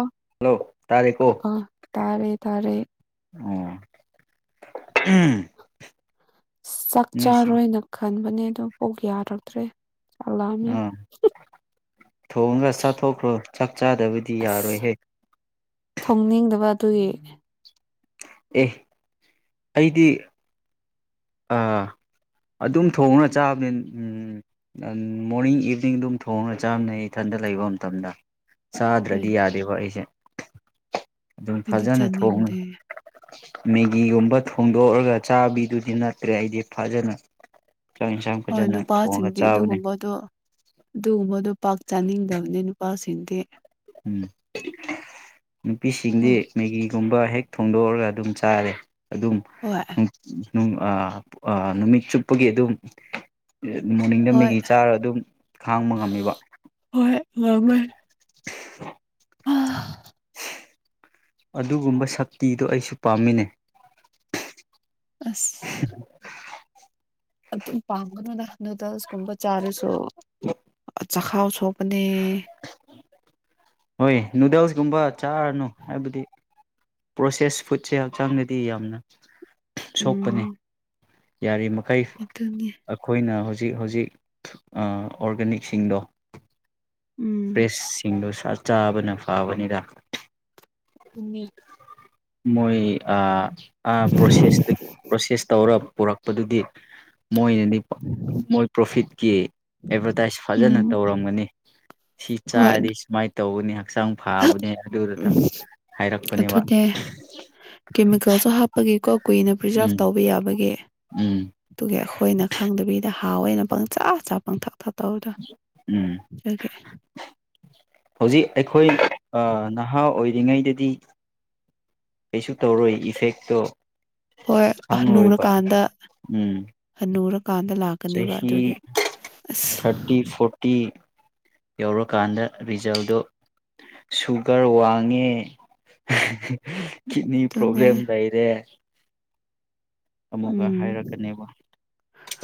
ꯑ ꯍꯜꯂꯣ ꯇꯥꯔꯦꯀꯣ꯫ ꯑꯥ ꯇꯥꯔꯦ ꯇꯥꯔꯦ ꯑꯣ ꯑꯨꯡ ꯆꯥꯛ ꯆꯥꯔꯣꯏꯅ ꯈꯟꯕꯅꯦ ꯑꯗꯣ ꯄꯨꯛ ꯌꯥꯔꯛꯇ꯭ꯔꯦ ꯆꯥꯛ ꯂꯝꯃꯦ꯫ ꯑꯥ ꯊꯣꯡꯉꯒ ꯆꯥꯊꯣꯛꯈ꯭ꯔꯣ ꯆꯥꯛ ꯆꯥꯗꯕ ꯑꯁ ꯊꯣꯡꯅꯤꯡꯗꯕ ꯑꯗꯨꯒꯤ꯫ ꯑꯦ ꯑꯩꯗꯤ꯫ ꯑꯥ ꯑꯗꯨꯝ ꯊꯣꯡꯔ ꯆꯥꯕꯅꯤꯟ ꯎꯝ꯫ ꯑꯟ ꯃꯣꯔꯅꯤꯡ ꯏꯚꯤꯅꯤꯡ ꯗꯨꯝ ꯊꯣꯡꯔꯒ ꯆꯥꯕꯅꯦ ꯑꯩ ꯏꯊꯟꯇ ꯂꯩꯕ ꯃꯇꯝꯗ꯫ ꯑꯦ ꯆꯥꯗ꯭ꯔꯗꯤ ꯌꯥꯗꯦꯕ ꯑꯩꯁꯦ ꯗꯨꯝ ꯑꯩꯗꯤ ꯐꯖꯅ ꯊꯣꯡꯉꯤ ꯆꯥꯅꯤꯡꯗꯦ ꯃꯦꯒꯤꯒꯨꯝꯕ ꯊꯣꯡꯗꯣꯛꯔꯒ ꯆꯥꯕꯤꯗꯨꯗꯤ ꯅꯠꯇ꯭ꯔꯦ ꯑꯩꯗꯤ ꯐꯖꯅ꯫ ꯆꯥꯛ ꯏꯟꯁꯥꯡ ꯐꯖꯅ ꯊꯣꯡꯔꯒ ꯆꯥꯕꯅꯦ꯫ ꯑꯗꯣ꯫ ꯗꯨꯒꯨꯝꯕꯗꯣ ꯄꯥꯛ ꯆꯥꯅꯤꯡꯗꯕꯅꯦ ꯅꯨꯄꯥꯁꯤꯡꯗꯤ꯫ ꯎꯝ ꯅꯨꯄꯤꯁꯤꯡꯗꯤ ꯑꯣ ꯃꯦꯒꯤꯒꯨꯝꯕ ꯍꯦꯛ ꯊꯣꯡꯗꯣꯛꯔꯒ ꯑꯗꯨꯝ ꯆꯥꯔꯦ ꯑꯗꯨꯝ ꯍꯣꯏ ꯎꯝ ꯅꯨꯡ ꯑ ꯑ ꯅꯨꯃꯤꯠ ꯆꯨꯞꯄꯒꯤ ꯑꯗꯨꯝ ꯑꯦ ꯃꯣꯔꯅꯤꯡꯗ ꯍꯣꯏ ꯃꯦꯒꯤ ꯆꯥꯔ ꯑꯗꯨꯝ ꯈꯥꯡꯕ ꯉꯝꯃꯤꯕ ꯍꯣꯏ ꯉꯝꯃꯦ [unintelligible] ꯍꯥ ꯑꯗꯨꯒꯨꯝꯕ ꯁꯛꯇꯤꯗꯣ ꯑꯩꯁꯨ ꯄꯥꯝꯃꯤꯅꯦ ꯑꯁ ꯑꯗꯨꯝ ꯄꯥꯝꯒꯅꯨꯗ ꯅꯨꯗꯜꯁ ꯀꯨꯝꯕ ꯆꯥꯔꯁꯨ ꯆꯈꯥꯎ ꯁꯣꯛꯄꯅꯦ ꯍꯣꯏ ꯅꯨꯗꯜꯁꯒꯨꯝꯕ ꯆꯥꯔꯅꯨ ꯍꯥꯏꯕꯗꯤ ꯄ꯭ꯔꯣꯁꯦꯁ ꯐꯨꯗꯁꯦ ꯍꯛꯆꯥꯡꯗꯗꯤ ꯌꯥꯝꯅ ꯁꯣꯛꯄꯅꯦ ꯎꯝ ꯌꯥꯔꯤ ꯃꯈꯩ ꯑꯗꯨꯅꯤ ꯑꯈꯣꯏꯅ ꯍꯧꯖꯤꯛ ꯍꯧꯖꯤꯛ ꯑꯥ ꯑꯣꯔꯒꯥꯅꯤꯛꯁꯤꯡꯗꯣ ꯎꯝ ꯐ꯭ꯔꯦꯁꯁꯤꯡꯗꯨ ꯁ ꯆꯥꯕꯅ ꯐꯥꯕꯅꯤꯗ ꯇꯨꯝꯃꯦ ꯃꯣꯏ ꯑꯥ ꯑꯥ ꯄ꯭ꯔꯣꯁꯦꯁꯇ ꯄ꯭ꯔꯣꯁꯦꯁ ꯇꯧꯔ ꯄꯣꯔꯛꯄꯗꯨꯗꯤ ꯃꯣꯏꯅꯗꯤ ꯃꯣꯏ ꯄ꯭ꯔꯣꯐꯤꯠꯀꯤ ꯑꯦꯚꯔꯇꯥꯏꯁ ꯎꯝ ꯐꯖꯅ ꯇꯧꯔꯝꯒꯅꯤ ꯁꯤ ꯍꯣꯏ ꯆꯥꯔꯗꯤ ꯁꯨꯃꯥꯏ ꯇꯧꯒꯅꯤ ꯍꯛꯆꯥꯡ ꯐꯥꯕꯅꯦ ꯎꯝ ꯑꯗꯨꯗꯨꯇ ꯑꯗꯨꯅꯦ ꯀꯦꯃꯤꯀꯜꯁꯨ ꯍꯥꯞꯄꯒꯤꯀꯣ ꯀꯨꯏꯅ ꯄ꯭ꯔꯤꯖꯥꯞ ꯎꯝ ꯇꯧꯕ ꯌꯥꯕꯒꯦ ꯎꯝ ꯇꯨꯒꯦ ꯑꯈꯣꯏꯅ ꯈꯪꯗꯕꯤꯗ ꯍꯥꯎꯋꯦꯅ ꯄꯪꯆꯥꯥ ꯆꯥ ꯄꯪꯊꯛ ꯊꯇꯧꯗ ꯎꯝ ꯗꯨꯒꯤ ꯍꯧꯖꯤꯛ ꯑꯩꯈꯣꯏ ꯑꯥ ꯅꯍꯥ ꯑꯣꯏꯔꯤꯉꯩꯗꯗꯤ ꯀꯩꯁꯨ ꯇꯧꯔꯣꯏ ꯏꯐꯦꯛꯇꯣ ꯍꯣꯏ ꯈꯪꯂꯣꯏꯕ ꯍꯥꯅꯨꯔꯀꯥꯟꯗ ꯎꯝ ꯍꯅꯨꯔꯀꯥꯟꯗ ꯂꯥꯛ ꯀꯅꯤꯕ ꯆꯍꯤ ꯑꯗꯨꯒꯤ ꯑꯁ ꯇꯤ ꯌꯧꯔꯀꯥꯟꯗ ꯔꯤꯖꯜꯗꯣ ꯁꯨꯒꯔ ꯋꯥꯡꯉꯦ ꯀꯤꯠꯅꯤ ꯑꯗꯨꯅꯦ ꯄ꯭ꯔꯣꯕ꯭ꯂꯦꯝ ꯂꯩꯔꯦ ꯑꯃꯨꯛꯀ ꯎꯝ ꯍꯥꯏꯔꯛꯀꯅꯦꯕ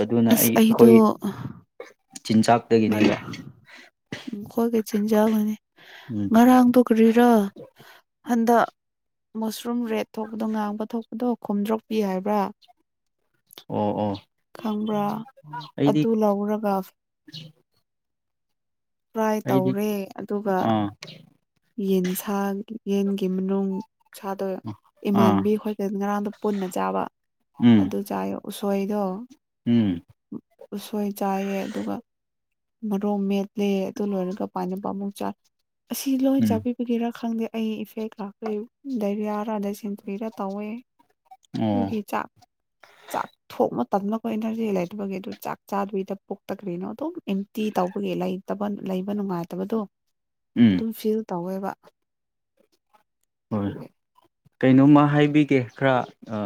ꯑꯗꯨꯅ ꯑꯁ ꯑꯩ ꯑꯈꯣꯏ ꯆꯤꯟꯖꯥꯛ ꯉꯔꯥ ꯎꯝ ꯈꯣꯏꯒꯤ ꯆꯤꯟꯖꯥꯛꯅꯅꯤ ꯎꯝ ꯉꯔꯥꯡꯗꯣ ꯀꯔꯤꯔꯥ ꯍꯟꯗꯛ ꯃꯁꯔꯨꯝ ꯔꯦꯠ ꯊꯣꯛꯄꯗꯣ ꯉꯥꯡꯕ ꯊꯣꯛꯄꯗꯣ ꯈꯣꯝꯗ꯭ꯔꯣꯛꯄꯤ ꯍꯥꯏꯕ꯭ꯔꯥ ꯑꯣ ꯑꯣ ꯈꯪꯕ꯭ꯔꯥ ꯑꯩꯗꯤ ꯑꯗꯨ ꯂꯧꯔꯒꯐ ꯄ꯭ꯔꯥꯏ ꯑꯩꯗꯤ ꯇꯧꯔꯦ ꯑꯗꯨꯒ ꯑꯥ ꯌꯦꯟꯁꯥꯡꯒꯤ ꯌꯦꯟꯒꯤ ꯃꯅꯨꯡ ꯁꯥꯗꯣꯏ ꯑꯥ ꯏꯃꯥꯟꯕꯤ ꯍꯣꯏꯒ ꯉꯔꯥꯡꯗꯣ ꯄꯨꯟꯅ ꯆꯥꯕ ꯎꯝ ꯑꯗꯨ ꯆꯥꯏꯕ ꯎꯁꯣꯏꯗ ꯎꯝ ꯎꯁꯣꯏ ꯆꯥꯏꯌꯦ ꯑꯗꯨꯒ ꯃꯔꯣ ꯃꯦꯠꯂꯦ ꯑꯗꯨ ꯂꯣꯏꯔꯒ ꯄꯥꯅꯕ ꯑꯃꯨꯛ ꯆꯥ ꯑꯁꯤ ꯂꯣꯏ ꯎꯝ ꯆꯥꯕꯤ ꯒꯤꯔꯥ ꯈꯪꯗꯦ ꯑꯩ ꯏꯐꯦꯛ ꯂꯥꯛꯈ꯭ꯔꯦ ꯗꯥꯏꯔꯤꯌꯥꯔ ꯗꯥꯏꯁꯦꯟꯇ꯭ꯔꯤꯔ ꯇꯧꯋꯦ ꯑꯣ ꯇꯨꯒꯤ ꯆꯥꯛ ꯆꯥꯛ ꯊꯣꯡꯕ ꯇꯟꯕꯀꯣ ꯏꯅꯔꯖꯤ ꯂꯩꯇꯕꯒꯤ ꯑꯗꯨ ꯆꯥꯛ ꯆꯥꯗꯕꯤꯗ ꯄꯨꯛꯇ ꯀꯔꯤꯅꯣ ꯑꯗꯨꯝ ꯏꯟ ꯇꯤ ꯇꯧꯕꯒꯤ ꯂꯩꯇꯕ ꯂꯩꯕ ꯅꯨꯡꯉꯥꯏꯇꯕꯗꯣ ꯎꯝ ꯑꯗꯨꯝ ꯐꯤꯜ ꯇꯧꯋꯦꯕ ꯍꯣꯏ ꯑꯗꯨꯒꯤ ꯀꯩꯅꯣꯝꯃ ꯍꯥꯏꯕꯤꯒꯦ ꯈꯔ ꯑ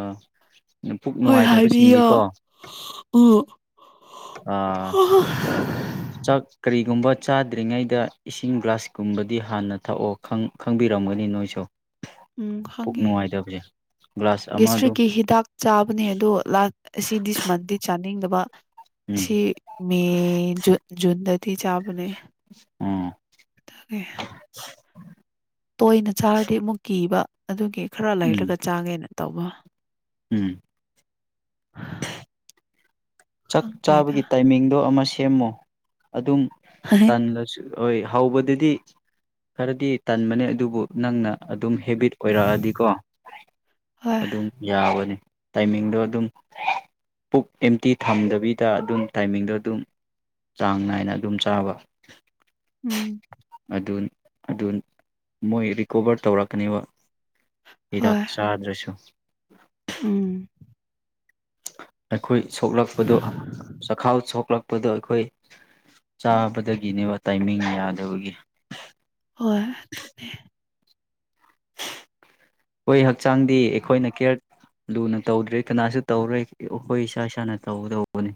ꯍꯣꯏ ꯍꯥꯏꯕꯤꯌꯣ ꯎꯝ ꯑꯥ ꯆꯥꯛ ꯀꯔꯤꯒꯨꯝꯕ ꯆꯥꯗ꯭ꯔꯤꯉꯩꯗ ꯏꯁꯤꯡ ꯒ꯭ꯂꯥꯁꯀꯨꯝꯕꯗꯤ ꯍꯥꯟꯅ ꯊꯛꯑꯣ ꯈꯪ ꯈꯪꯕꯤꯔꯝꯒꯅꯤ ꯅꯣꯏꯁꯨ ꯎꯝ ꯄꯨꯛ ꯅꯨꯡꯉꯥꯏꯇꯕꯖꯦ ꯒꯤꯁꯇ꯭ꯔꯤꯛꯀꯤ ꯍꯤꯗꯥꯛ ꯆꯥꯕꯅꯦ ꯑꯗꯣ ꯂꯥꯛ ꯑꯁꯤ ꯗꯤꯁ ꯃꯟꯗꯤ ꯆꯥꯅꯤꯡꯗꯕ ꯎꯝ ꯑꯁꯤ ꯃꯦ ꯖꯨ ꯖꯨꯟꯗꯗꯤ ꯆꯥꯕꯅꯦ ꯎꯝ [unintelligible] ꯇꯣꯏꯅ ꯆꯥꯔꯗꯤ ꯑꯃꯨꯛ ꯀꯤꯕ ꯑꯗꯨꯒꯤ ꯈꯔ ꯎꯝ ꯂꯩꯔꯒ ꯆꯥꯒꯦꯅ ꯇꯧꯕ ꯎꯝ [inaudible] ꯆꯥꯛ ꯈꯪꯗ꯭ꯔꯦꯗ ꯆꯥꯕꯒꯤ ꯇꯥꯏꯃꯤꯡꯗꯣ ꯑꯃ ꯁꯦꯝꯃꯣ ꯑꯗꯨꯝ ꯍ ꯍꯥꯏ ꯂꯁꯨ ꯍꯣꯏ ꯍꯧꯕꯗꯗꯤ ꯈꯔꯗꯤ ꯇꯟꯕꯅꯦ ꯑꯗꯨꯕꯨ ꯅꯪꯅ ꯑꯗꯨꯝ ꯍꯦꯕꯤꯠ ꯑꯣꯏꯔꯛꯑꯗꯤꯀꯣ ꯍꯣꯏ ꯑꯗꯨꯝ ꯌꯥꯕꯅꯤ ꯇꯥꯏꯃꯤꯡꯗꯣ ꯑꯗꯨꯝ ꯄꯨꯛ ꯑꯦꯝ ꯇꯤ ꯊꯝꯗꯕꯤꯗ ꯑꯗꯨꯝ ꯇꯥꯏꯃꯤꯡꯗꯣ ꯑꯗꯨꯝ ꯆꯥꯡ ꯅꯥꯏꯅ ꯑꯗꯨꯝ ꯆꯥꯕ ꯎꯝ ꯗꯨꯟ ꯑꯗꯨꯅ ꯃꯣꯏ ꯔꯤꯀꯣꯕꯔ ꯇꯧꯔꯛꯀꯅꯦꯕ ꯍꯤꯗꯥꯛ ꯍꯣꯏ ꯆꯥꯗ꯭ꯔꯁꯨ ꯎꯝ ꯑꯩꯈꯣꯏ ꯁꯣꯛꯂꯛꯄꯗꯣ ꯆꯈꯥꯎ ꯁꯣꯛꯂꯛ ꯄꯗꯣ ꯑꯩꯈꯣꯏ ꯆꯥꯕꯗꯒꯤꯅꯦꯕ ꯇꯥꯏꯃꯤꯡ ꯌꯥꯗꯕꯒꯤ ꯍꯣꯏ ꯑꯩꯈꯣꯏ ꯍꯛꯆꯥꯡꯗꯤ ꯑꯩꯈꯣꯏꯅ ꯀꯦꯌꯔ ꯂꯨꯅ ꯇꯧꯗ꯭ꯔꯦ ꯀꯅꯥꯁꯨ ꯇꯧꯔꯣꯏ ꯑꯩꯈꯣꯏ ꯏꯁꯥ ꯏꯁꯥꯅ ꯇꯧꯒꯗꯧꯕꯅꯤ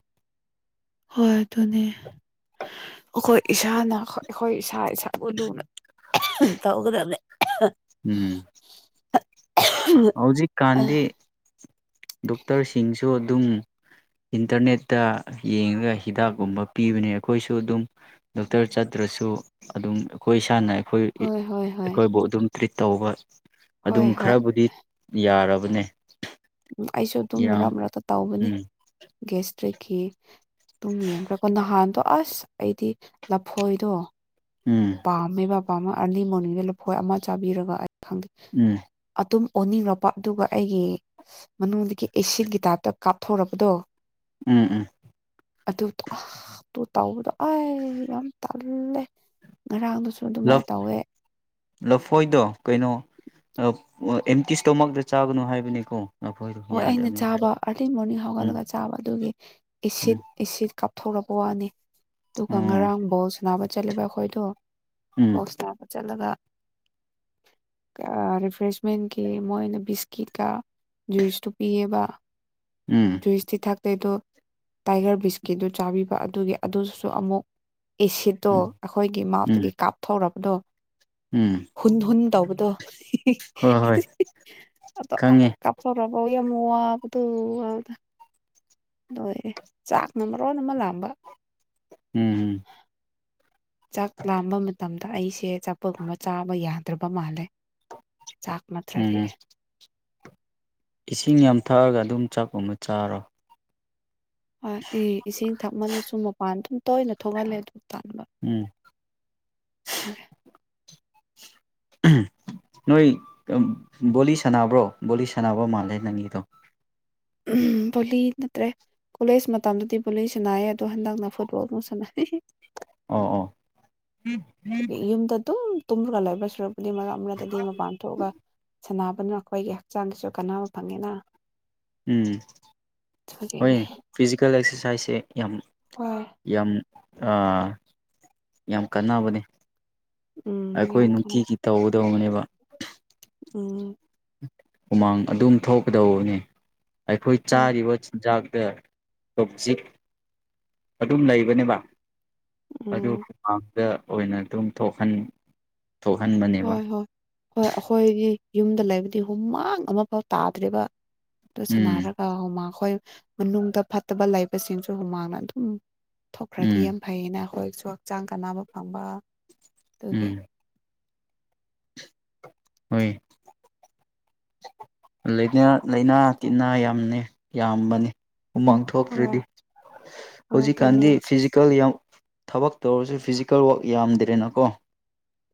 ꯍꯣꯏ ꯑꯗꯨꯅꯦ ꯑꯈꯣꯏ ꯏꯁꯥꯅ ꯑꯩꯈꯣꯏ ꯏꯁꯥ ꯏꯁꯥꯕꯨ ꯂꯨꯅ ꯇꯧꯒꯗꯕꯅꯦ ꯎꯝ ꯍꯧꯖꯤꯛ ꯍꯣꯏ ꯀꯥꯟꯗꯤ ꯗꯣꯛꯇꯔꯁꯤꯡꯁꯨ ꯑꯗꯨꯝ ꯏꯟꯇꯔꯅꯦꯠꯇ ꯌꯦꯡꯔꯒ ꯍꯤꯗꯥꯛꯀꯨꯝꯕ ꯄꯤꯕꯅꯦ ꯑꯩꯈꯣꯏꯁꯨ ꯑꯗꯨꯝ ꯗꯣꯛꯇꯔ ꯆꯠꯇ꯭ꯔꯁꯨ ꯑꯗꯨꯝ ꯑꯩꯈꯣꯏ ꯏꯁꯥꯅ ꯑꯩꯈꯣꯏ ꯍꯣꯏ ꯍꯣꯏ ꯍꯣꯏ ꯑꯩꯈꯣꯏꯕꯨ ꯑꯗꯨꯝ ꯇ꯭ꯔꯤꯠ ꯇꯧꯕ ꯑꯗꯨꯝ ꯍꯣꯏ ꯈꯔꯕꯨꯗꯤ ꯌꯥꯔꯕꯅꯦ ꯎꯝ ꯑꯩꯁꯨ ꯑꯗꯨꯝ ꯃꯔꯛ ꯌꯥꯝ ꯃꯔꯛꯇ ꯇꯧꯕꯅꯦ ꯎꯝ ꯒꯦꯁꯇ꯭ꯔꯤꯛꯀꯤ ꯑꯗꯨꯝ ꯌꯦꯡꯈ꯭ꯔꯀꯣ ꯅꯍꯥꯟꯗꯣ ꯑꯁ ꯑꯩꯗꯤ ꯂꯐꯣꯏꯗꯣ ꯎꯝ ꯄꯥꯝꯃꯦꯕ ꯄꯥꯝꯃꯥ ꯑꯥꯔꯂꯤ ꯃꯣꯔꯅꯤꯡꯗ ꯂꯐꯣꯏ ꯑꯃ ꯆꯥꯕꯤꯔꯒ ꯑꯩ ꯈꯪꯗꯦ ꯎꯝ ꯑꯗꯨꯝ ꯑꯣꯅꯤꯡꯔꯄ ꯑꯗꯨꯒ ꯑꯩꯒꯤ ꯃꯅꯨꯡꯗꯒꯤ ꯑꯦꯁꯤꯠꯀꯤ ꯇꯥꯏꯞꯇ ꯀꯥꯞꯊꯣꯔꯛꯄꯗꯣ ꯎꯝ ꯎꯝ ꯑꯗꯨ ꯇꯣ ꯑꯥꯍ ꯑꯇꯨ ꯇꯥꯎꯕꯗꯣ ꯑꯥꯏ ꯌꯥꯝ ꯇꯜꯂꯦ ꯉꯔꯥꯡꯗꯨꯁꯨ ꯂꯞ ꯑꯗꯨꯃꯥꯏꯅ ꯇꯧꯋꯦ ꯂꯐꯣꯏꯗꯣ ꯀꯩꯅꯣ ꯑꯦꯝꯇꯤꯁꯇꯣꯃꯥꯛꯇ ꯆꯥꯒꯅꯨ ꯍꯥꯏꯕꯅꯤꯀꯣ ꯂꯐꯣꯏꯗꯣ ꯍꯣꯏ ꯑꯩꯅ ꯌꯥꯗꯕꯅꯤ ꯍꯥꯏ ꯆꯥꯕ ꯑꯥꯔꯂꯤ ꯃꯣꯔꯅꯤꯡ ꯎꯝ ꯍꯧꯒꯠꯂꯒ ꯆꯥ ꯆꯥꯕ ꯑꯗꯨꯒꯤ ꯑꯦꯁꯤꯠ ꯎꯝ ꯑꯦꯁꯤꯠ ꯀꯥꯞꯊꯣꯔꯛꯄ ꯋꯥꯅꯤ ꯑꯗꯨꯒ ꯑꯣ ꯉꯔꯥꯡꯕꯣꯜ ꯁꯟꯅꯕ ꯆꯠꯂꯦꯕ ꯑꯩꯈꯣꯏꯗꯣ ꯎꯝ ꯕꯣꯛꯁ ꯇꯥꯕ ꯆꯠꯂꯒ ꯔꯤꯐ꯭ꯔꯦꯁꯃꯦꯟꯀꯤ ꯃꯣꯏꯅ ꯕꯤꯁꯀꯤꯠꯀ ꯖꯨꯏꯁꯇꯣ ꯄꯤꯌꯦꯕ ꯎꯝ ꯖꯨꯏꯁꯇꯤ ꯊꯥꯛꯇꯦ ꯑꯗꯣ ꯇꯥꯏꯒꯔ ꯕꯤꯁꯀꯤꯠꯇꯨ ꯆꯥꯒꯤꯕ ꯑꯗꯨꯒꯤ ꯑꯗꯨꯗꯨꯁꯨ ꯑꯃꯨꯛ ꯑꯦꯁꯤꯠꯇꯣ ꯎꯝ ꯑꯩꯈꯣꯏꯒꯤ ꯎꯝ ꯃꯥꯎꯇꯒꯤ ꯀꯥꯞꯊꯣꯔꯛꯕꯗꯣ ꯎꯝ ꯍꯨꯟ ꯍꯨꯟ ꯇꯧꯕꯗꯣ ꯍꯣꯏ ꯍꯣꯏ ꯑꯗꯣ ꯑꯥ ꯈꯪꯉꯦ ꯀꯞꯄꯨꯔꯒ ꯌꯥꯝ ꯋꯥꯕꯗꯨ ꯂꯣꯏꯔꯦ ꯆꯥꯛꯅ ꯃꯔꯣꯟ ꯑꯃ ꯂꯥꯡꯕ ꯎꯝ ꯎꯝ ꯆꯥꯛ ꯂꯥꯝꯕ ꯃꯇꯝꯗ ꯑꯩꯁꯦ ꯑꯆꯥꯄꯣꯠꯀꯨꯝꯕ ꯆꯥꯕ ꯌꯥꯗ꯭ꯔꯕ ꯃꯥꯜꯂꯦ ꯆꯥꯛ ꯅꯠꯇ꯭ꯔꯗꯤ ꯎꯝ ꯏꯁꯤꯡ ꯌꯥꯝ ꯊꯛꯑꯒ ꯑꯗꯨꯝ ꯆꯥꯛꯀꯨꯝꯕ ꯆꯥꯔꯣ ꯑꯦ ꯏꯁꯤꯡ ꯊꯛꯃꯜꯂꯁꯨ ꯃꯄꯥꯟ ꯑꯗꯨꯝ ꯇꯣꯏꯅ ꯊꯣꯛꯍꯜꯂꯦ ꯑꯗꯨ ꯇꯟꯕ ꯎꯝ ꯅꯣꯏ ꯕꯣꯂꯤ ꯁꯥꯟꯅꯕ꯭ꯔꯣ ꯕꯣꯂꯤ ꯁꯥꯟꯅꯕ ꯃꯥꯜꯂꯦ ꯅꯪꯒꯤꯗꯣ ꯕꯣꯂꯤ ꯅꯠꯇ꯭ꯔꯦ ꯀꯣꯂꯦꯖ ꯃꯇꯝꯗꯗꯤ ꯕꯣꯂꯤ ꯁꯅꯥꯩꯌꯦ ꯑꯗꯣ ꯍꯟꯗꯛꯅ ꯐꯨꯠꯕꯣꯜꯃꯨꯛꯁꯥꯟꯅꯔꯤ ꯑꯣ ꯑꯣ ꯑꯗꯨꯒꯤ ꯌꯨꯝꯗ ꯑꯗꯨꯝ ꯇꯨꯝꯔꯒ ꯂꯩꯕꯩ ꯁꯨꯔꯛꯄꯨꯗꯤ ꯃꯔꯛ ꯃꯔꯛꯇꯗꯤ ꯃꯄꯥꯟ ꯊꯣꯛꯑꯒ ꯁꯥꯟꯅꯕꯅ ꯑꯩꯈꯣꯏꯒꯤ ꯍꯛꯆꯥꯡꯒꯤꯁꯨ ꯀꯥꯟꯅꯕ ꯐꯪꯉꯤꯅ ꯎꯝ ꯍꯣꯏ ꯑꯗꯨꯒꯤꯅꯦ ꯐꯤꯖꯤꯀꯦꯜ ꯑꯦꯛꯁꯔꯁꯥꯏꯁꯁꯦ ꯌꯥꯝ ꯍꯣꯏ ꯌꯥꯝ ꯌꯥꯝ ꯀꯥꯟꯅꯕꯅꯦ ꯎꯝ ꯑꯩꯈꯣꯏ ꯌꯥꯝ ꯀꯥꯟꯅꯩ ꯅꯨꯡꯇꯤꯒꯤ ꯇꯧꯒꯗꯧꯕꯅꯦꯕ ꯎꯝ ꯍꯨꯃꯥꯡ ꯑꯗꯨꯝ ꯊꯣꯛꯀꯗꯧꯕꯅꯤ ꯑꯩꯈꯣꯏ ꯍꯣꯏ ꯆꯥꯒꯤꯕ ꯆꯤꯟꯖꯥꯛꯇꯥ ꯇꯣꯖꯤꯛ ꯑꯗꯨꯝ ꯂꯩꯕꯅꯦꯕ ꯑꯗꯨ ꯎꯝ ꯗꯥ ꯑꯣꯏꯅ ꯑꯗꯨꯝ ꯊꯣꯛꯍꯟ ꯊꯣꯛꯍꯟꯕꯅꯤ ꯍꯣꯏ ꯍꯣꯏ ꯍꯣꯏ ꯑꯩꯈꯣꯏꯒꯤ ꯌꯨꯝꯗ ꯂꯩꯕꯗꯤ ꯍꯨꯃꯥꯡ ꯑꯃꯐꯥꯎ ꯇꯥꯗ꯭ꯔꯦꯕ ꯑꯗꯨ ꯎꯝ ꯁꯥꯟꯅꯔꯒ ꯍꯨꯃꯥꯡ ꯑꯩꯈꯣꯏ ꯃꯅꯨꯡꯗ ꯐꯠꯇꯕ ꯂꯩꯕꯁꯤꯡꯁꯨ ꯍꯨꯃꯥꯡꯅ ꯑꯗꯨꯝ ꯊꯣꯛꯈ꯭ꯔꯗꯤ ꯎꯝ ꯌꯥꯝ ꯐꯩꯌꯦꯅ ꯑꯩꯈꯣꯏꯁꯨ ꯍꯛꯆꯥꯡ ꯀꯥꯟꯅꯕ ꯐꯪꯕ ꯑꯗꯨꯒꯤ ꯎꯝ ꯍꯣꯏ ꯂꯥꯏꯅꯥ ꯇꯤꯟꯅꯥ ꯌꯥꯝꯅꯤ ꯌꯥꯝꯕꯅꯤ ꯎꯃꯥꯡ ꯊꯣꯛꯇꯔꯗꯤ ꯍꯣꯏ ꯍꯣꯏ ꯑꯗꯨꯅꯤ ꯍꯧꯖꯤꯛꯀꯥꯟꯗꯤ ꯐꯤꯖꯤꯀꯦꯜ ꯌꯥꯝ ꯊꯕꯛ ꯇꯧꯔꯁꯨ ꯐꯤꯖꯤꯀꯦꯜ ꯋꯥꯛ ꯌꯥꯝꯗ꯭ꯔꯦꯅꯀꯣ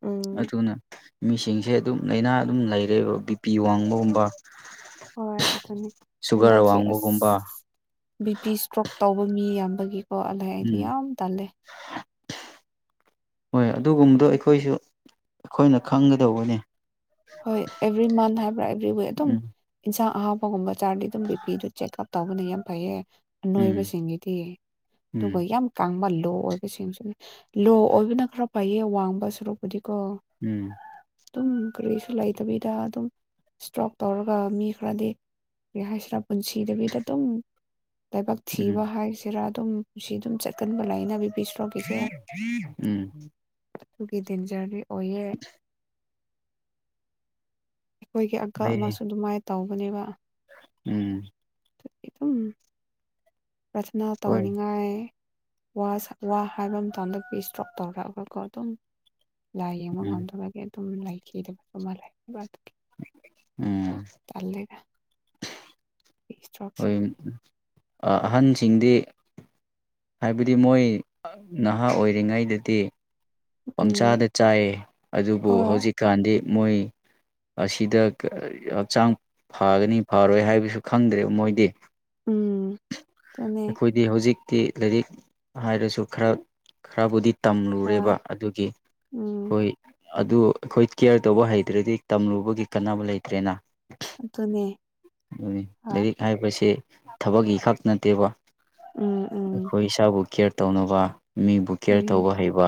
ꯎꯝ ꯑꯗꯨꯅ ꯃꯤꯁꯤꯡꯁꯦ ꯑꯗꯨꯝ ꯂꯥꯏꯅꯥ ꯑꯗꯨꯝ ꯂꯩꯔꯦꯕ ꯕꯤꯄꯤ ꯋꯥꯡꯕꯒꯨꯝꯕ ꯍꯣꯏ ꯑꯗꯨꯅꯤ ꯁꯨꯒꯔ ꯍꯟꯗꯛꯁꯦ ꯑꯁ ꯋꯥꯡꯕꯒꯨꯝꯕ ꯕꯤ ꯄꯤ ꯏꯁꯇ꯭ꯔꯣꯛ ꯇꯧꯕ ꯃꯤ ꯌꯥꯝꯕꯒꯤꯀꯣ ꯑꯗꯨꯂ ꯑꯩꯗꯤ ꯎꯝ ꯌꯥꯝ ꯇꯜꯂꯦ ꯍꯣꯏ ꯑꯗꯨꯒꯨꯝꯕꯗꯣ ꯑꯗꯨꯒꯤ ꯑꯩꯈꯣꯏꯁꯨ ꯑꯩꯈꯣꯏꯅ ꯈꯪꯒꯗꯧꯕꯅꯤ ꯍꯣꯏ ꯑꯦꯕ꯭ꯔꯤ ꯃꯟ ꯍꯥꯏꯕ꯭ꯔꯥ ꯑꯦꯕ꯭ꯔꯤ ꯋꯤꯛ ꯑꯗꯨꯝ ꯎꯝ ꯏꯟꯁꯥꯡ ꯑꯍꯥꯞꯄꯒꯨꯝꯕ ꯆꯥꯔꯗꯤ ꯑꯗꯨꯝ ꯕꯤꯄꯤꯗꯨ ꯆꯦꯛꯑꯞ ꯇꯧꯕꯅ ꯌꯥꯝ ꯐꯩꯌꯦ ꯎꯝ ꯅꯣꯏꯕꯁꯤꯡꯒꯤꯗꯤ ꯎꯝ ꯑꯗꯨꯒ ꯌꯥꯝ ꯀꯥꯡꯕ ꯂꯣ ꯑꯣꯏꯕꯁꯤꯡꯁꯨꯅꯦ ꯂꯣ ꯑꯣꯏꯕꯅ ꯈꯔ ꯐꯩꯌꯦ ꯋꯥꯡꯕ ꯁꯨꯔꯛꯄꯨꯗꯤꯀꯣ ꯎꯝ ꯑꯗꯨꯝ ꯀꯔꯤꯁꯨ ꯂꯩꯇꯕꯤꯗ ꯑꯗꯨꯝ ꯏꯁꯇ꯭ꯔꯣꯛ ꯇꯧꯔꯒ ꯃꯤ ꯈꯔꯗꯤ ꯑꯩ ꯍꯥꯏꯁꯤꯔꯥ ꯄꯨꯟꯁꯤꯗꯕꯤꯗ ꯑꯗꯨꯝ ꯂꯥꯏꯕꯛ ꯎꯝ ꯊꯤꯕ ꯍꯥꯏꯁꯤꯔꯥ ꯑꯗꯨꯝ ꯁꯤ ꯑꯗꯨꯝ ꯆꯠꯀꯟꯕ ꯂꯥꯏꯌꯦꯅꯕꯤ ꯄꯤꯕꯤ ꯁ꯭ꯇꯔꯣꯛ ꯁꯦ ꯎꯝ ꯑꯗꯨꯒꯤ ꯗꯦꯟꯖꯔꯗꯤ ꯑꯣꯏꯌꯦ ꯑꯩꯈꯣꯏꯒꯤ ꯑꯪꯀꯥꯜ ꯂꯩ ꯑꯃꯁꯨ ꯑꯗꯨꯃꯥꯏꯅ ꯇꯧꯕꯅꯦꯕ ꯎꯝ ꯑꯗꯨꯝ ꯄ꯭ꯔꯊꯅꯥ ꯍꯣꯏ ꯇꯧꯅꯤꯡꯉꯥꯏ ꯋꯥ ꯍꯥꯏꯕ ꯃꯇꯝꯗ ꯕꯤꯕꯤ ꯏꯁꯇ꯭ꯔꯣꯛ ꯇꯧꯔꯛꯑꯒꯀꯣ ꯑꯗꯨꯝ ꯂꯥꯏ ꯌꯦꯡꯕ ꯎꯝ ꯉꯝꯗꯕꯒꯤ ꯑꯗꯨꯝ ꯂꯥꯏꯈꯤꯗꯕ ꯑꯃ ꯂꯩꯕ ꯑꯗꯨꯒꯤ ꯎꯝ ꯇꯜꯂꯦꯗ ꯏꯁꯇ꯭ꯔꯣꯛꯁꯦ ꯍꯣꯏ ꯑꯍꯟꯁꯤꯡꯗꯤ ꯍꯥꯏꯕꯗꯤ ꯃꯣꯏ ꯅꯍꯥ ꯑꯣꯏꯔꯤꯉꯩꯗꯗꯤ ꯎꯝ ꯄꯪꯆꯥꯥꯗ ꯆꯥꯏ ꯑꯗꯨꯕꯨ ꯍꯣꯏ ꯍꯧꯖꯤꯛꯀꯥꯟꯗꯤ ꯃꯣꯏ ꯑꯁꯤꯗ ꯍꯛꯆꯥꯡ ꯐꯒꯅꯤ ꯐꯔꯣꯏ ꯍꯥꯏꯕꯁꯨ ꯈꯪꯗ꯭ꯔꯦꯕ ꯃꯣꯏꯗꯤ ꯎꯝ ꯑꯗꯨꯅꯦ ꯑꯩꯈꯣꯏꯗꯤ ꯍꯧꯖꯤꯛꯇꯤ ꯂꯥꯏꯔꯤꯛ ꯍꯥꯏꯔꯁꯨ ꯈꯔ ꯈꯔꯕꯨꯗꯤ ꯍꯣꯏ ꯇꯝꯂꯨꯔꯦꯕ ꯑꯗꯨꯒꯤ ꯎꯝ ꯑꯩꯈꯣꯏ ꯑꯗꯨ ꯑꯩꯈꯣꯏ ꯀꯦꯌꯔ ꯇꯧꯕ ꯍꯩꯇ꯭ꯔꯗꯤ ꯇꯝꯂꯨꯕꯒꯤ ꯀꯥꯟꯅꯕ ꯂꯩꯇ꯭ꯔꯦꯅ ꯑꯗꯨꯅꯦ ꯑꯗꯨ ꯍꯣꯏ ꯂꯥꯏꯔꯤꯛ ꯍꯥꯏꯕꯁꯦ ꯊꯕꯛꯀꯤ ꯈꯛ ꯅꯠꯇꯦꯕ [inaudible] ꯎꯝ ꯎꯝ ꯑꯩꯈꯣꯏ ꯏꯁꯥꯕꯨ ꯀꯦꯌꯔ ꯇꯧꯅꯕ ꯃꯤꯕꯨ ꯀꯦꯌꯔ ꯎꯝ ꯇꯧꯕ ꯍꯩꯕ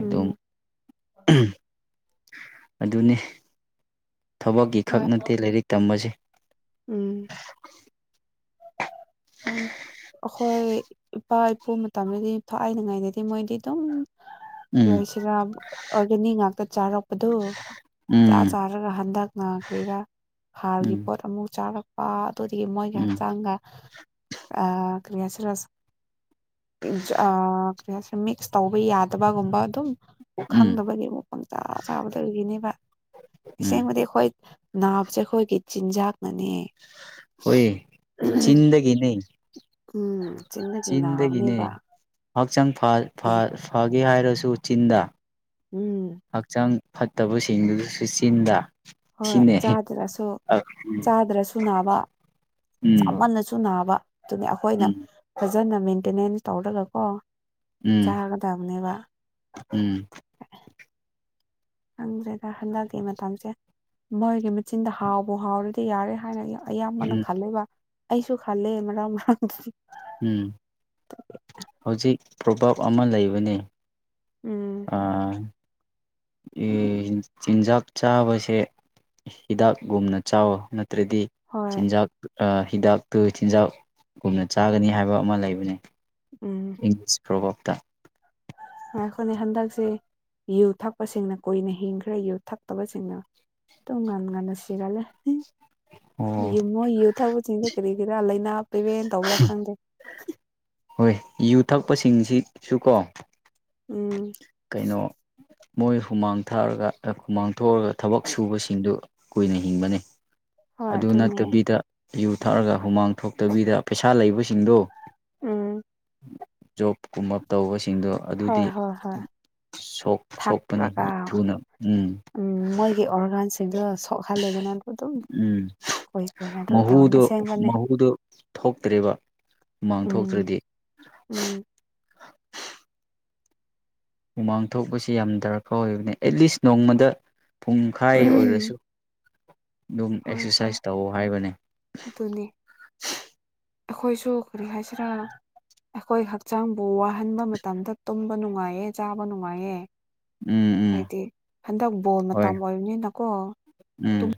ꯎꯝ ꯑꯗꯨꯅꯦ ꯊꯕꯛꯀꯤ ꯈꯛ ꯍꯣꯏ ꯅꯠꯇꯦ ꯂꯥꯏꯔꯤꯛ ꯇꯝꯕꯁꯦ ꯎꯝ ꯑꯪ ꯑꯩꯈꯣꯏ ꯏꯄꯥ ꯏꯄꯨ ꯃꯇꯝꯗꯗꯤ ꯊꯥꯏꯅꯤꯡꯉꯥꯏꯗꯗꯤ ꯃꯣꯏꯗꯤ ꯑꯗꯨꯝ ꯎꯝ ꯌꯥꯏꯁꯤꯔ ꯑꯣꯔꯒꯥꯅꯤꯛ ꯉꯥꯛꯇ ꯆꯥꯔꯛꯄꯗꯨ ꯆꯥ ꯆꯥ ꯎꯝ ꯅꯠꯇ꯭ꯔꯒ ꯍꯟꯗꯛꯅ ꯀꯔꯤꯔꯥ ꯍꯥꯔꯒꯤ ꯎꯝ ꯄꯣꯠ ꯑꯃꯨꯛ ꯆꯥꯔꯛ ꯑꯥ ꯑꯗꯨꯗꯒꯤ ꯃꯣꯏꯒꯤ ꯎꯝ ꯍꯛꯆꯥꯡꯒ ꯑ ꯀꯔꯤ ꯍꯥꯏꯁꯤꯔ ꯑꯥ ꯀꯔꯤ ꯍꯥꯢꯁꯤꯔꯥ ꯃꯤꯛꯁ ꯇꯧꯕ ꯌꯥꯗꯕꯒꯨꯝꯕ ꯑꯗꯨꯝ ꯎꯝ ꯈꯪꯗꯕꯒꯤ ꯄꯪꯆꯥ ꯆꯥꯕꯗꯨꯒꯤꯅꯦꯕ ꯎꯝ ꯑꯁꯦꯡꯕꯗꯤ ꯑꯩꯈꯣꯏ ꯅꯥꯕꯁꯦ ꯑꯩꯈꯣꯏꯒꯤ ꯆꯤꯟꯖꯥꯛꯅꯅꯦ ꯍꯣꯢꯌꯦ ꯆꯤꯟꯗꯒꯤꯅꯦ ꯎꯝ ꯆꯤꯡꯗꯒꯤ ꯆꯤꯟꯗꯒꯤꯅꯦ ꯅꯥꯕꯅꯦꯕ ꯍꯛꯆꯥꯡ ꯑꯦ ꯐꯒꯦ ꯍꯥꯏꯔꯁꯨ ꯆꯤꯟꯗ ꯎꯝ ꯍꯛꯆꯥꯡ ꯐꯠꯇꯕꯁꯤꯡꯗꯨꯁꯨ ꯆꯤꯟꯗ ꯍꯣꯏ ꯁꯤꯅꯦ ꯆꯥꯗ꯭ꯔꯁꯨ ꯎꯝ ꯆꯥꯗ꯭ꯔꯁꯨ ꯅꯥꯕ ꯎꯝ ꯆꯥꯃꯟꯅꯁꯨ ꯁꯨ ꯅꯥꯕ ꯗꯨꯅꯦ ꯑꯈꯣꯏꯅ ꯐꯖꯅ ꯃꯦꯟꯇꯦꯅꯦꯟꯁ ꯇꯧꯔꯒꯀꯣ ꯎꯝ ꯆꯥꯒꯗꯕꯅꯦꯕ ꯎꯝ ꯈꯪꯗ꯭ꯔꯦꯗꯥ ꯍꯟꯗꯛꯀꯤ ꯃꯇꯝꯁꯦ ꯃꯣꯏꯒꯤ ꯃꯆꯤꯟꯗ ꯍꯥꯎꯕꯨ ꯍꯥꯎꯔꯗꯤ ꯌꯥꯔꯦ ꯍꯥꯏ [unintelligible] ꯑꯌꯥꯝꯕꯅ ꯎꯝ ꯈꯜꯂꯦꯕꯥ ꯑꯩꯁꯨ ꯈꯜꯂꯦ ꯃꯔꯥꯡ ꯃꯔꯥꯡ [unintelligible] ꯎꯝ ꯍꯧꯖꯤꯛ ꯄ꯭ꯔꯣꯚꯥꯞ ꯑꯃ ꯂꯩꯕꯅꯤ ꯎꯝ ꯑꯥ ꯏ ꯍꯤꯟ ꯆꯤꯟꯖꯥꯛ ꯆꯥꯕꯁꯦ ꯍꯤꯗꯥꯛꯒꯨꯝꯅ ꯆꯥꯎꯋꯣ ꯅꯠꯇ꯭ꯔꯗꯤ ꯍꯣꯏ ꯆꯤꯟꯖꯥꯛ [unintelligible] ꯑꯥ ꯍꯤꯗꯥꯛꯇꯨ ꯆꯤꯟꯖꯥꯛꯒꯨꯝꯅ ꯆꯥꯒꯅꯤ ꯍꯥꯏꯕ ꯑꯃ ꯂꯩꯕꯅꯦ ꯎꯝ ꯏꯪꯂꯤꯁ ꯄ꯭ꯔꯣꯚꯔꯕꯇ ꯉꯥꯏꯈꯣꯅꯦ ꯍꯟꯗꯛꯁꯦ ꯌꯨ ꯊꯛꯄꯁꯤꯡꯅ ꯀꯨꯏꯅ ꯍꯤꯡꯈ꯭ꯔꯦ ꯌꯨ ꯊꯛꯇꯕꯁꯤꯡꯅ ꯗꯨꯝ ꯉꯟ ꯉꯟꯅ ꯁꯤꯒꯟꯂꯦ ꯍꯤ ꯑꯣ ꯃꯨꯌꯤ ꯃꯣꯏ ꯌꯨ ꯊꯛꯄꯁꯤꯡꯗꯤ ꯀꯔꯤꯒꯤꯔꯥ ꯂꯩꯅꯥ ꯄ꯭ꯔꯤꯕꯦꯟ ꯇꯧꯕ꯭ꯔꯥ ꯈꯪꯗꯦ ꯍꯣꯏ ꯌꯨ ꯊꯛꯄꯁꯤꯡꯁꯤꯁꯨ ꯀꯣ ꯎꯝ ꯀꯩꯅꯣ ꯃꯣꯏ ꯍꯨꯃꯥꯡ ꯊꯥꯔꯒ ꯑꯥ ꯍꯨꯃꯥꯡ ꯊꯣꯔꯒ ꯊꯕꯛ ꯁꯨꯕꯁꯤꯡꯗꯣ ꯀꯨꯏꯅ ꯍꯤꯡꯕꯅꯦ ꯍꯣꯏ ꯑꯗꯨ ꯑꯗꯨꯅꯦ ꯅꯠꯇꯕꯤꯗ ꯌꯨ ꯊꯛꯑꯔꯒ ꯍꯨꯃꯥꯡ ꯊꯣꯛꯇꯕꯤꯗ ꯄꯩꯁꯥ ꯂꯩꯕꯁꯤꯡꯗꯣ ꯎꯝ ꯖꯣꯕ ꯀꯨꯝꯕ ꯇꯧꯕꯁꯤꯡꯗꯣ ꯍꯣꯏ ꯑꯗꯨꯗꯤ ꯍꯣꯏ ꯍꯣꯏ ꯁꯣꯛ ꯁꯣꯛꯄꯅꯤ ꯊꯛꯔꯒꯥ ꯊꯨꯅ ꯎꯝ ꯃꯣꯏꯒꯤ ꯑꯣꯔꯒꯥꯟꯁꯤꯡꯗꯣ ꯁꯣꯛꯍꯜꯂꯦꯗꯅ ꯑꯗꯨꯝ ꯎꯝ [unintelligible] ꯀꯣꯏ ꯀꯣꯏꯅ ꯑꯗꯨꯝ ꯇꯧꯅꯦ ꯃꯍꯨꯗꯨꯣ ꯑꯁꯦꯡꯕꯅꯦ ꯃꯍꯨꯗꯨꯣ ꯊꯣꯛꯇ꯭ꯔꯦꯕ ꯍꯨꯃꯥꯡ ꯎꯝ ꯊꯣꯛꯇ꯭ꯔꯗꯤ ꯎꯝ ꯍꯨꯃꯥꯡ ꯊꯣꯛꯄꯁꯤ ꯌꯥꯝ ꯗꯔꯀꯥꯔ ꯑꯣꯏꯕꯅꯦ ꯑꯦꯠꯂꯤꯁ ꯅꯣꯡꯃꯗ ꯄꯨꯡꯈꯥꯏ ꯑꯣꯏꯔꯁꯨ ꯗꯨꯝ ꯍꯣꯏ ꯍꯣꯏ ꯑꯦꯛꯁꯁꯥꯏꯁ ꯇꯧꯋꯣ ꯍꯥꯏꯕꯅꯦ ꯑꯗꯨꯅꯤ ꯑꯈꯣꯏꯁꯨ ꯀꯔꯤ ꯍꯥꯏꯁꯤꯔꯥ ꯑꯈꯣꯏ ꯍꯛꯆꯥꯡꯕꯨ ꯋꯥꯍꯟꯕ ꯃꯇꯝꯗ ꯇꯨꯝꯕ ꯅꯨꯡꯉꯥꯏꯌꯦ ꯆꯥꯕ ꯅꯨꯡꯉꯥꯏꯌꯦ ꯎꯝ ꯎꯝ ꯍꯥꯏꯗꯤ ꯍꯟꯗꯛ ꯕꯣꯜ ꯍꯣꯏ ꯃꯇꯝ ꯑꯣꯏꯕꯅꯤꯅꯀꯣ ꯎꯝ